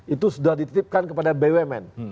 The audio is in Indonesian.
itu sudah dititipkan kepada bumn